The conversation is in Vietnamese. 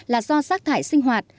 là do sát thải sinh hoạt